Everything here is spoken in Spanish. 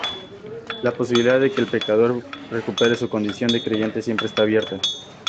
La posibilidad de que el pecador recupere su condición de creyente siempre está abierta.